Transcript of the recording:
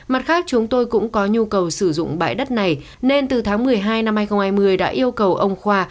mặt khác chúng tôi cũng có nhu cầu sử dụng bãi đất này nên từ tháng một mươi hai năm hai nghìn hai mươi đã yêu cầu ông khoa